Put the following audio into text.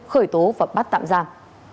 khởi tố và bắt tạm giam